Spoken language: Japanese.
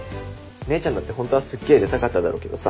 姉ちゃんだってホントはすっげえ出たかっただろうけどさ。